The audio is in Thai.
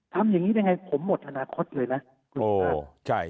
ทำอย่างนี้ยังไงผมหมดอนาคตเลยนะคุณภาพ